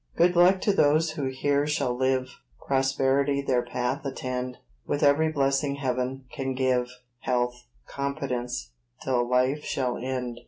Good luck to those who here shall live, Prosperity their path attend, With every blessing Heaven can give Health, competence, till life shall end.